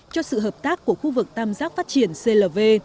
cho sự hợp tác của khu vực tam giác phát triển clv